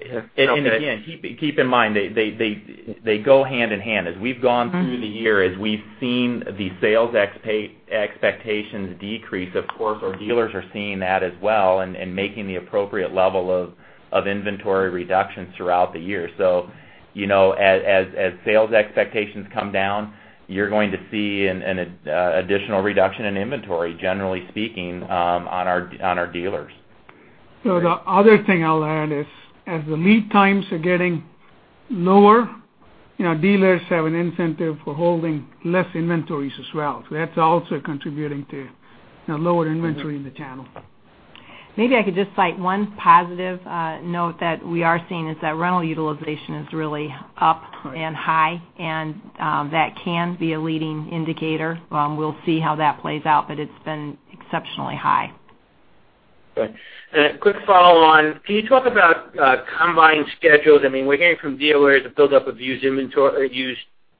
Again, keep in mind they go hand in hand. As we've gone through the year, as we've seen the sales expectations decrease, of course, our dealers are seeing that as well and making the appropriate level of inventory reductions throughout the year. As sales expectations come down, you're going to see an additional reduction in inventory, generally speaking, on our dealers. The other thing I'll add is as the lead times are getting lower, dealers have an incentive for holding less inventories as well. That's also contributing to lower inventory in the channel. Maybe I could just cite one positive note that we are seeing is that rental utilization is really up and high, and that can be a leading indicator. We'll see how that plays out, but it's been exceptionally high. Good. A quick follow on. Can you talk about combine schedules? We're hearing from dealers, the buildup of used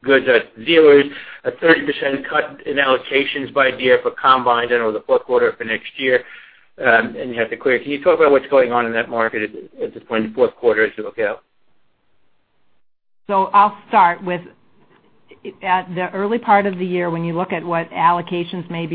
goods. Dealers, a 30% cut in allocations by Deere for combines in the fourth quarter for next year, you have to clear. Can you talk about what's going on in that market at this point in the fourth quarter as you look out? I'll start with, at the early part of the year, when you look at what allocations may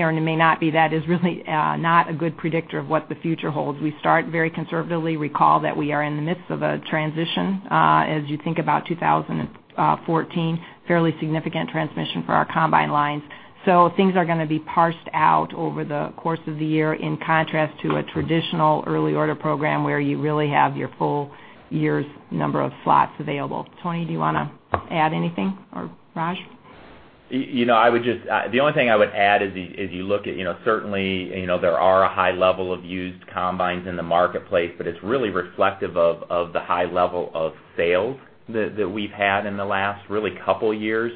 or may not be, that is really not a good predictor of what the future holds. We start very conservatively. Recall that we are in the midst of a transition, as you think about 2014, fairly significant transition for our combine lines. Things are going to be parsed out over the course of the year, in contrast to a traditional early order program where you really have your full year's number of slots available. Tony, do you want to add anything, or Raj? The only thing I would add is you look at, certainly, there are a high level of used combines in the marketplace, but it's really reflective of the high level of sales that we've had in the last really couple years.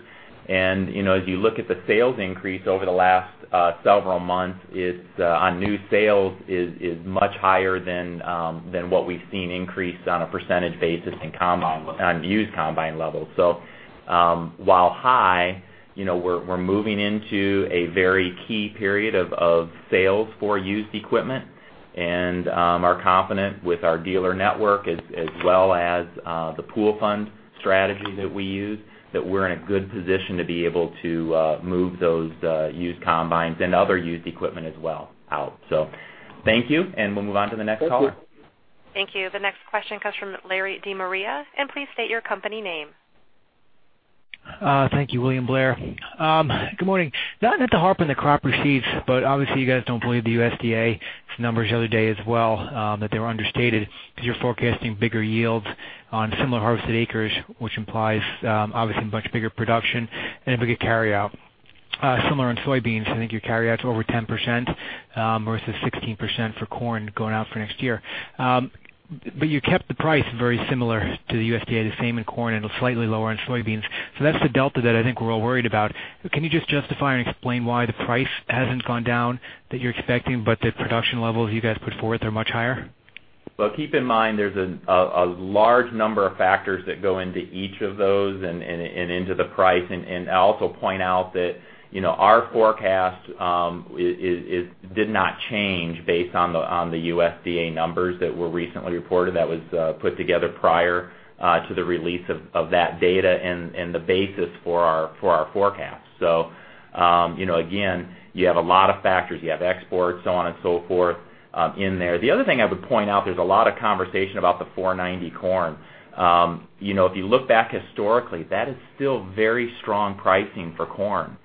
As you look at the sales increase over the last several months on new sales is much higher than what we've seen increase on a percentage basis on used combine levels. While high, we're moving into a very key period of sales for used equipment and are confident with our dealer network as well as the pool fund strategy that we use, that we're in a good position to be able to move those used combines and other used equipment as well out. Thank you, and we'll move on to the next caller. Thank you. Thank you. The next question comes from Larry DeMaria. Please state your company name. Thank you, William Blair. Good morning. Not to harp on the crop receipts, obviously you guys don't believe the USDA's numbers the other day as well, that they were understated because you're forecasting bigger yields on similar harvested acres, which implies obviously a much bigger production and a bigger carryout. Similar in soybeans, I think your carryout's over 10%, versus 16% for corn going out for next year. You kept the price very similar to the USDA, the same in corn and slightly lower in soybeans. That's the delta that I think we're all worried about. Can you just justify and explain why the price hasn't gone down that you're expecting, but the production levels you guys put forward are much higher? Keep in mind, there's a large number of factors that go into each of those and into the price. I also point out that our forecast did not change based on the USDA numbers that were recently reported. That was put together prior to the release of that data and the basis for our forecast. Again, you have a lot of factors. You have exports, so on and so forth in there. The other thing I would point out, there's a lot of conversation about the 490 corn. If you look back historically, that is still very strong pricing for corn.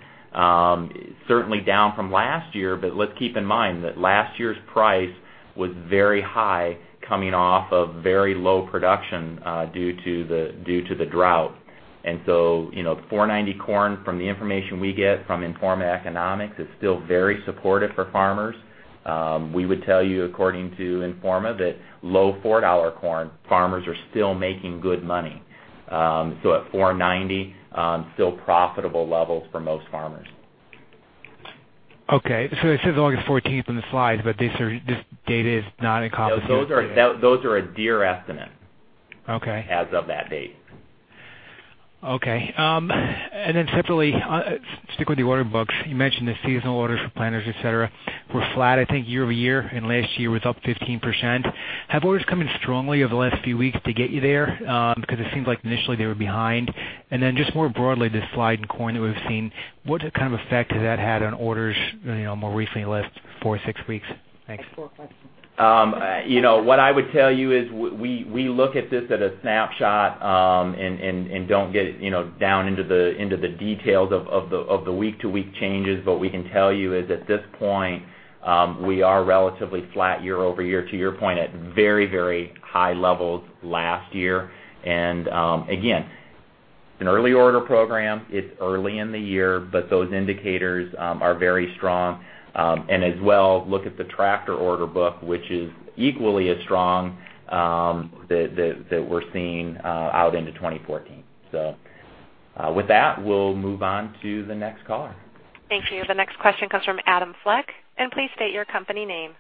Certainly down from last year, but let's keep in mind that last year's price was very high coming off of very low production due to the drought. 490 corn, from the information we get from Informa Economics, is still very supportive for farmers. We would tell you, according to Informa, that low $4 corn farmers are still making good money. At 490, still profitable levels for most farmers. Okay. It says August 14th in the slides, but this data is not. Those are a Deere. Okay as of that date. Okay. Separately, stick with the order books. You mentioned the seasonal orders for planters, et cetera, were flat, I think, year-over-year, and last year was up 15%. Have orders come in strongly over the last few weeks to get you there? It seems like initially they were behind. Just more broadly, this slide in corn that we've seen, what kind of effect has that had on orders more recently in the last four to six weeks? Thanks. That's four questions. What I would tell you is we look at this at a snapshot, Don't get down into the details of the week-to-week changes. What we can tell you is, at this point, we are relatively flat year-over-year, to your point, at very high levels last year. Again, an early order program, it's early in the year, but those indicators are very strong. As well, look at the tractor order book, which is equally as strong that we're seeing out into 2014. With that, we'll move on to the next caller. Thank you. The next question comes from Adam Fleck, Please state your company name.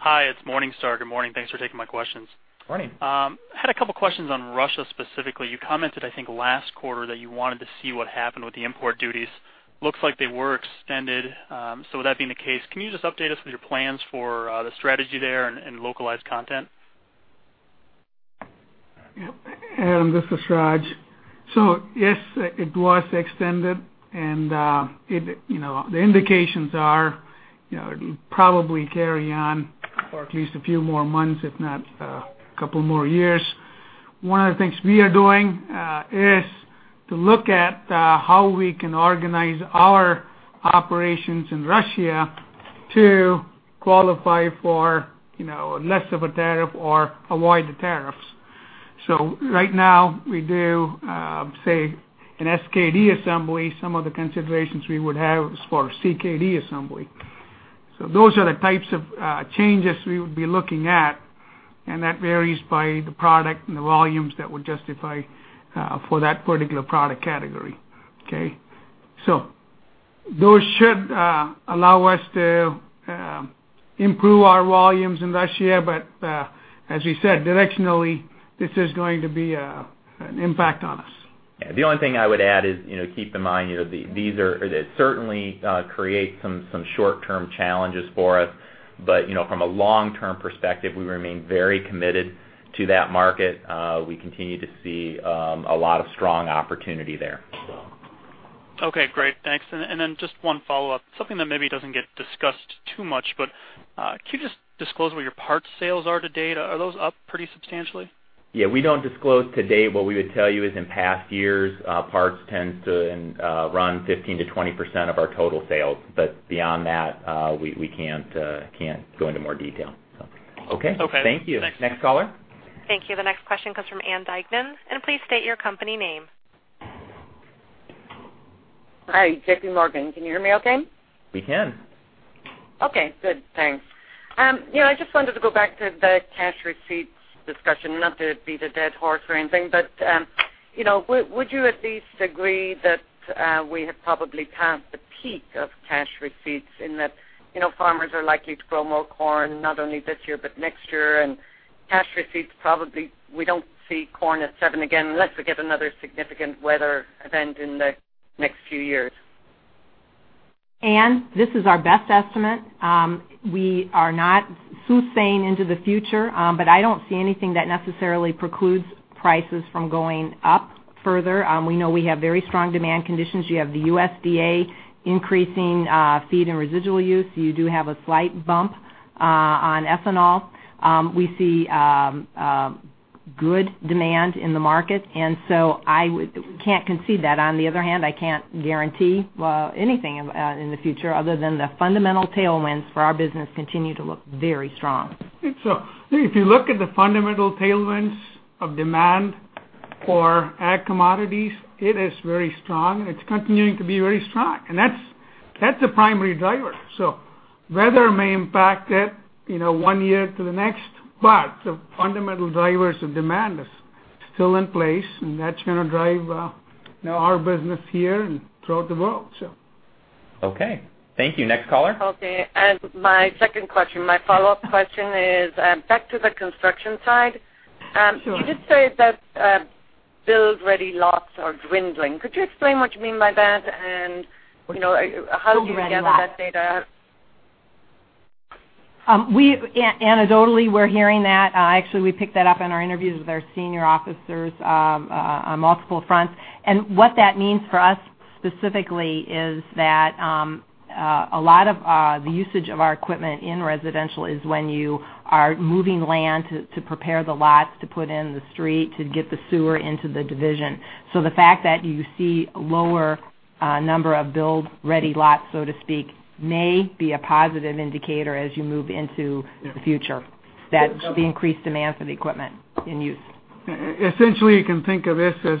Hi, it's Morningstar. Good morning. Thanks for taking my questions. Morning. I had a couple questions on Russia specifically. You commented, I think, last quarter that you wanted to see what happened with the import duties. Looks like they were extended. With that being the case, can you just update us with your plans for the strategy there and localized content? Yep. Adam, this is Raj. Yes, it was extended, and the indications are it'll probably carry on for at least a few more months, if not a couple more years. One of the things we are doing is to look at how we can organize our operations in Russia to qualify for less of a tariff or avoid the tariffs. Right now we do, say, an SKD assembly. Some of the considerations we would have is for CKD assembly. Those are the types of changes we would be looking at, and that varies by the product and the volumes that would justify for that particular product category. Okay. Those should allow us to improve our volumes in Russia. As we said, directionally, this is going to be an impact on us. The only thing I would add is keep in mind these certainly create some short-term challenges for us. From a long-term perspective, we remain very committed to that market. We continue to see a lot of strong opportunity there. Okay, great. Thanks. Then just one follow-up, something that maybe doesn't get discussed too much, could you just disclose where your parts sales are to date? Are those up pretty substantially? Yeah. We don't disclose to date. What we would tell you is in past years, parts tends to run 15%-20% of our total sales. Beyond that, we can't go into more detail, so. Okay. Okay. Thank you. Thanks. Next caller. Thank you. The next question comes from Ann Duignan, please state your company name. Hi, JPMorgan. Can you hear me okay? We can. Okay, good. Thanks. I just wanted to go back to the cash receipts discussion. Not to beat a dead horse or anything, but would you at least agree that we have probably passed the peak of cash receipts in that farmers are likely to grow more corn, not only this year but next year, and cash receipts probably we don't see corn at seven again unless we get another significant weather event in the next few years. Ann, this is our best estimate. We are not soothsaying into the future, but I don't see anything that necessarily precludes prices from going up further. We know we have very strong demand conditions. You have the USDA increasing feed and residual use. You do have a slight bump on ethanol. We see good demand in the market, and so I can't concede that. On the other hand, I can't guarantee anything in the future other than the fundamental tailwinds for our business continue to look very strong. If you look at the fundamental tailwinds of demand for ag commodities, it is very strong. It's continuing to be very strong, and that's the primary driver. Weather may impact it one year to the next, but the fundamental drivers of demand are still in place, and that's going to drive our business here and throughout the world. Okay. Thank you. Next caller. Okay. My second question, my follow-up question is back to the construction side. Sure. You just said that build-ready lots are dwindling. Could you explain what you mean by that? Build-ready lots How do you get that data? Anecdotally, we're hearing that. Actually, we picked that up in our interviews with our senior officers on multiple fronts. What that means for us specifically is that a lot of the usage of our equipment in residential is when you are moving land to prepare the lots, to put in the street, to get the sewer into the division. The fact that you see a lower number of build-ready lots, so to speak, may be a positive indicator as you move into the future. Yeah. That's the increased demand for the equipment in use. Essentially, you can think of this as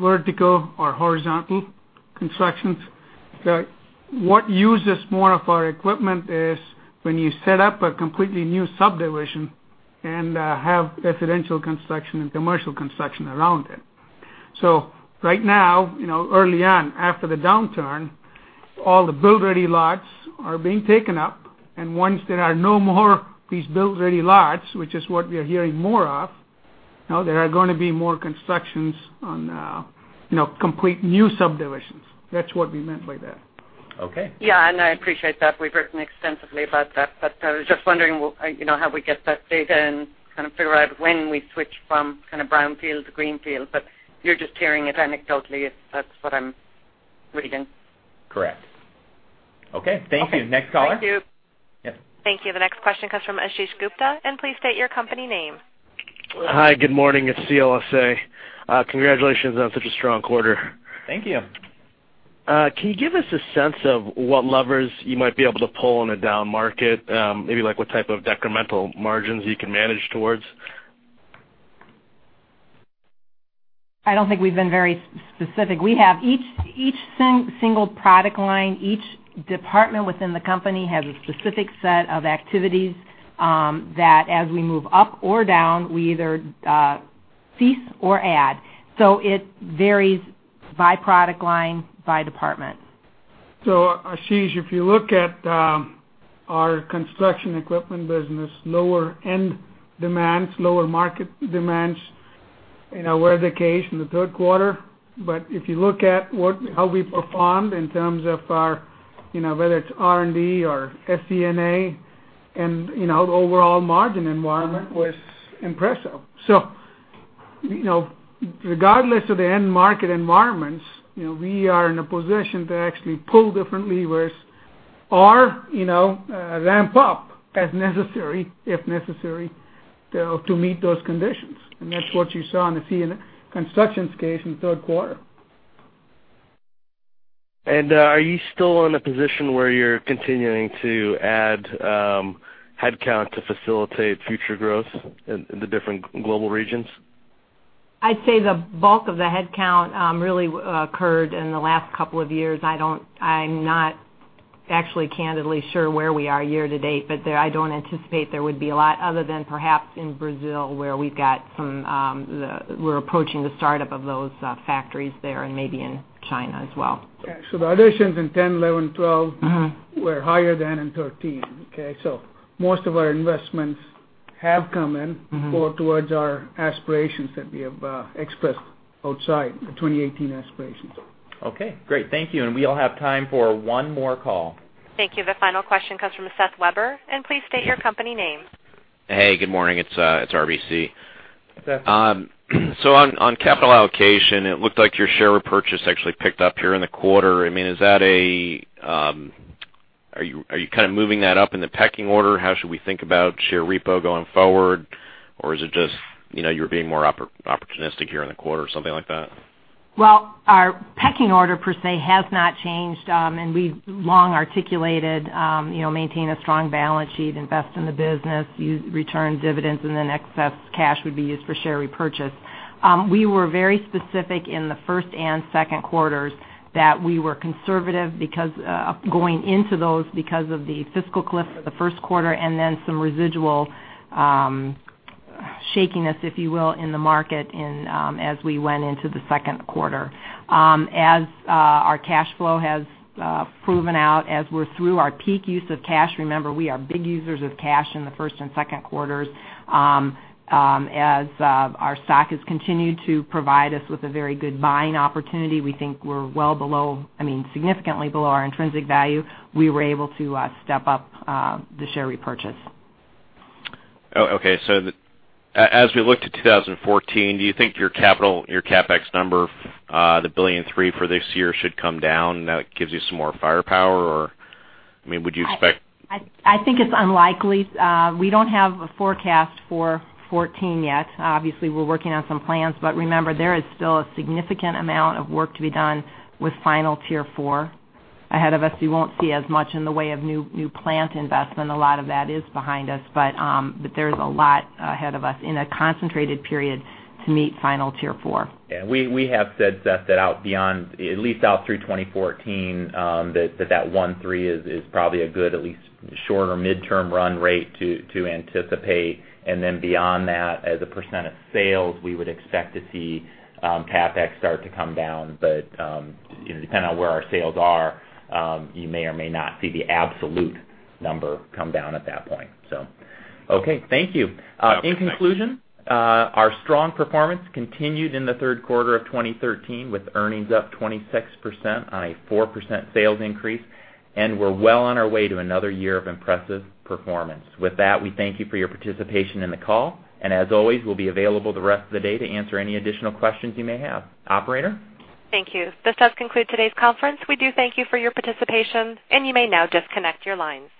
vertical or horizontal constructions. What uses more of our equipment is when you set up a completely new subdivision and have residential construction and commercial construction around it. Right now, early on after the downturn, all the build-ready lots are being taken up, and once there are no more of these build-ready lots, which is what we are hearing more of, now there are going to be more constructions on complete new subdivisions. That's what we meant by that. Okay. Yeah, I appreciate that. We've written extensively about that. I was just wondering how we get that data and kind of figure out when we switch from kind of brownfield to greenfield. You're just hearing it anecdotally, if that's what I'm reading. Correct. Okay. Thank you. Okay. Thank you. Next caller? Yes. Thank you. The next question comes from Ashish Gupta, please state your company name. Hi, good morning. It's CLSA. Congratulations on such a strong quarter. Thank you. Can you give us a sense of what levers you might be able to pull in a down market? Maybe like what type of decremental margins you can manage towards? I don't think we've been very specific. We have each single product line, each department within the company has a specific set of activities that as we move up or down, we either cease or add. It varies by product line, by department. Ashish, if you look at our construction equipment business, lower end demands, lower market demands, were the case in the third quarter. If you look at how we performed in terms of our, whether it's R&D or SA&G, the overall margin environment was impressive. Regardless of the end market environments, we are in a position to actually pull different levers or ramp up as necessary, if necessary, to meet those conditions. That's what you saw in the construction space in the third quarter. Are you still in a position where you're continuing to add headcount to facilitate future growth in the different global regions? I'd say the bulk of the headcount really occurred in the last couple of years. I'm not actually candidly sure where we are year to date, I don't anticipate there would be a lot other than perhaps in Brazil where we're approaching the startup of those factories there and maybe in China as well. Yeah. The additions in 2010, 2011, and 2012. were higher than in 2013, okay? Most of our investments have come in. towards our aspirations that we have expressed outside, the 2018 aspirations. Okay, great. Thank you. We all have time for one more call. Thank you. The final question comes from Seth Weber, and please state your company name. Hey, good morning. It's RBC. Seth. On capital allocation, it looked like your share repurchase actually picked up here in the quarter. Are you kind of moving that up in the pecking order? How should we think about share repo going forward? Or is it just you're being more opportunistic here in the quarter or something like that? Well, our pecking order per se has not changed. We've long articulated, maintain a strong balance sheet, invest in the business, return dividends, and then excess cash would be used for share repurchase. We were very specific in the first and second quarters that we were conservative going into those because of the fiscal cliff for the first quarter and then some residual shakiness, if you will, in the market as we went into the second quarter. As our cash flow has proven out, as we're through our peak use of cash, remember, we are big users of cash in the first and second quarters. As our stock has continued to provide us with a very good buying opportunity, we think we're well below, I mean, significantly below our intrinsic value. We were able to step up the share repurchase. Oh, okay. As we look to 2014, do you think your CapEx number, the $1.3 billion for this year should come down? That gives you some more firepower or, I mean, would you expect- I think it's unlikely. We don't have a forecast for 2014 yet. Obviously, we're working on some plans. Remember, there is still a significant amount of work to be done with final Tier 4 ahead of us. You won't see as much in the way of new plant investment. A lot of that is behind us. There's a lot ahead of us in a concentrated period to meet final Tier 4. We have said, Seth, that out beyond, at least out through 2014, that that 1.3 is probably a good at least shorter midterm run rate to anticipate. Beyond that, as a % of sales, we would expect to see CapEx start to come down. Depending on where our sales are, you may or may not see the absolute number come down at that point. Okay. Thank you. Okay, thanks. In conclusion, our strong performance continued in the third quarter of 2013 with earnings up 26% on a 4% sales increase. We're well on our way to another year of impressive performance. With that, we thank you for your participation in the call. As always, we'll be available the rest of the day to answer any additional questions you may have. Operator? Thank you. This does conclude today's conference. We do thank you for your participation. You may now disconnect your lines.